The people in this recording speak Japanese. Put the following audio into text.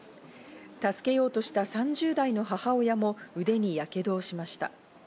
助けようとした３０代の母親も腕にやけどをしました。